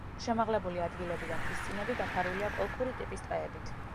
შემაღლებული ადგილები და მთისწინები დაფარულია კოლხური ტიპის ტყეებით.